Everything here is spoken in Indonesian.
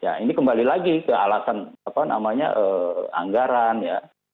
ya ini kembali lagi ke alasan apa namanya anggaran ya